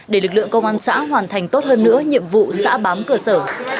để lực lượng công an xã hoàn thành tốt hơn nữa nhiệm vụ xã bám cơ sở